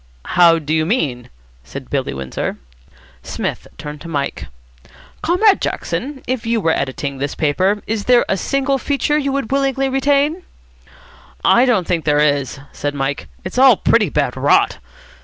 "How do you mean?" said Billy Windsor. Psmith turned to Mike. "Comrade Jackson, if you were editing this paper, is there a single feature you would willingly retain?" "I don't think there is," said Mike. "It's all pretty bad rot."